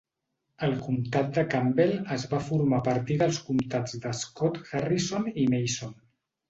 El comtat de Campbell es va formar a partir dels comtats de Scott, Harrison i Mason.